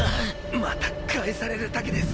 また返されるだけです。